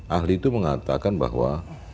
ahli itu mengatakan bahwa